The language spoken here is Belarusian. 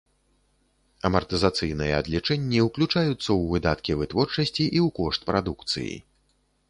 Амартызацыйныя адлічэнні ўключаюцца ў выдаткі вытворчасці і ў кошт прадукцыі.